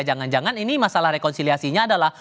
jangan jangan ini masalah rekonsiliasinya adalah